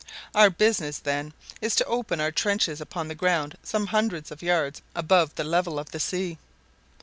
Our business, then, is to open our trenches upon ground some hundreds of yards above the level of the sea."